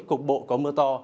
cục bộ có mưa to